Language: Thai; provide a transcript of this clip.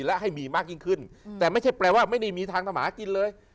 และให้มีมากยิ่งขึ้นแต่ไม่ใช่แปลว่าไม่ได้มีทางทำหากินเลย